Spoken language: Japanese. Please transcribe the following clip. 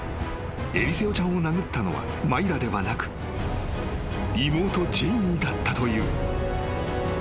エリセオちゃんを殴ったのはマイラではなく妹ジェイミーだったという］